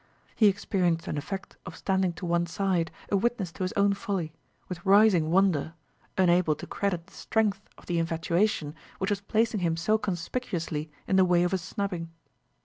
He experienced an effect of standing to one side, a witness of his own folly, with rising wonder, unable to credit the strength of the infatuation which was placing him so conspicuously in the way of a snubbing.